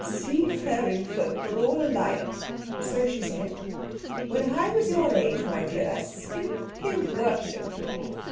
"Sea faring folk are all alike," so she said. "When I was your age, my dear, I simply worshipped them.